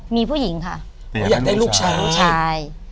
มีผู้หญิงค่ะเขาอยากได้ลูกชาย